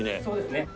そうですね。